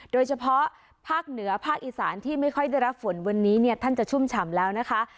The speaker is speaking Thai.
โดยเฉพาะภาคเหนือภาคอีสานที่ไม่ค่อยได้รับฝนวันนี้เนี่ยท่านจะชุ่มฉ่ำแล้วนะคะ